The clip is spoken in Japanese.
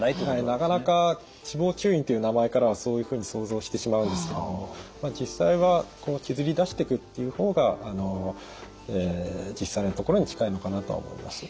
なかなか脂肪吸引という名前からはそういうふうに想像してしまうんですけれどもまあ実際はこう削り出してくっていう方が実際のところに近いのかなとは思います。